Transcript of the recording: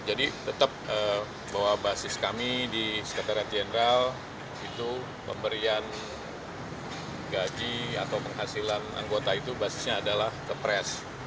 tetap bahwa basis kami di sekretariat jenderal itu pemberian gaji atau penghasilan anggota itu basisnya adalah kepres